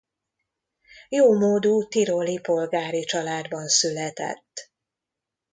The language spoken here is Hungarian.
Jómódú tiroli polgári családban született.